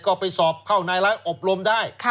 ก็ไปสอบเข้านายร้ายอบรมได้